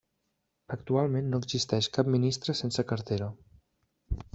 Actualment no existeix cap ministre sense cartera.